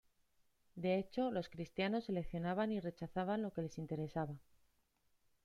De hecho los cristianos seleccionaban y rechazaban lo que les interesaba.